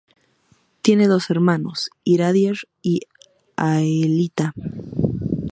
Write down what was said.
Tiene dos hermanos: Iradier y Aelita.